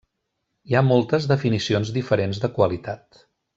Hi ha moltes definicions diferents de qualitat.